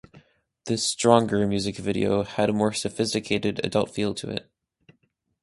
The "Stronger" music video had a more sophisticated, adult feel to it.